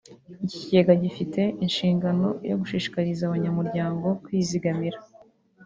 Iki kigega gifite inhingano yo gushishikariza abanyamuryango kwizigamiro